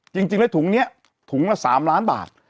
จริงแล้วถุงนี้ถุงละ๓ล้านบาท